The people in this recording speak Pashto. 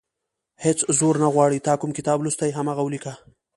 هېڅ زور نه غواړي تا کوم کتاب لوستی، هماغه ولیکه.